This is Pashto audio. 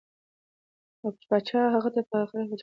پاچا هغه ته فاخره جامې او خلعت ورکړ.